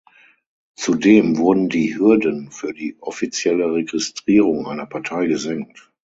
Zudem wurden die Hürden für die offizielle Registrierung einer Partei gesenkt.